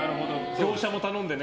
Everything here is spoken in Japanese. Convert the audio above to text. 業者も頼んでね。